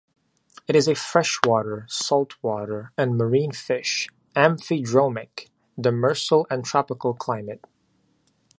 It is a freshwater, saltwater and marine fish; amphidromic; demersal and tropical climate.